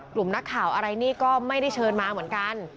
กลุ่มนักข่าวอะไรนี่ก็ไม่ได้เชิญมาเหมือนกัน